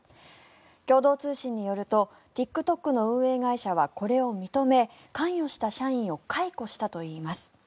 共同通信によるとＴｉｋＴｏｋの運営会社はこれを認め関与した社員を解雇したといいます。